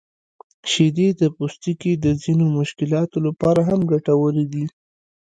شیدې د پوستکي د ځینو مشکلاتو لپاره هم ګټورې دي.